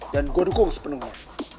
dan gua dukung sepenuhnya